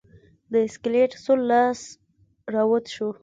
د سکلیټ سور لاس راوت شو.